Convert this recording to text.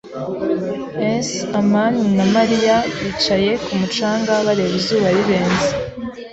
[S] amani na Mariya bicaye ku mucanga, bareba izuba rirenze.